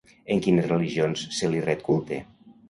En quines religions se li ret culte?